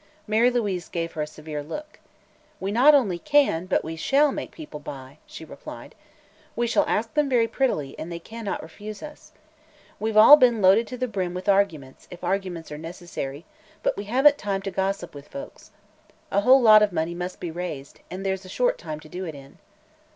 Mary Louise gave her a severe look. "We not only can, but we shall make people buy," she replied. "We shall ask them very prettily, and they cannot refuse us. We've all been loaded to the brim with arguments, if arguments are necessary, but we haven't time to gossip with folks. A whole lot of money must be raised, and there's a short time to do it in."